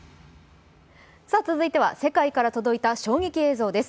続いては世界から届いた衝撃映像です。